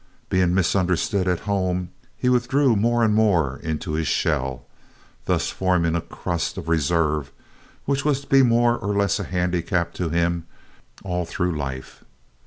Being misunderstood at home he withdrew more and more into his shell thus forming a crust of reserve which was to be more or less a handicap to him all through life.